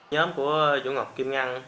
nhóm của chú ngọc kim ngang